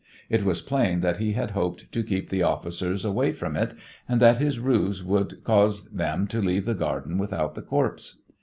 It was plain that he had hoped to keep the officers away from it and that his ruse would cause them to leave the garden without the corpse.